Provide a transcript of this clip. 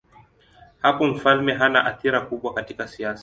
Hapo mfalme hana athira kubwa katika siasa.